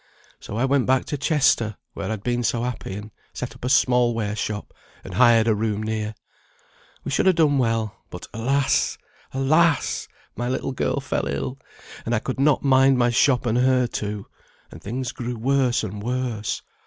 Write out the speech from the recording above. So I went back to Chester, where I'd been so happy, and set up a small ware shop, and hired a room near. We should have done well, but alas! alas! my little girl fell ill, and I could not mind my shop and her too; and things grew worse and worse.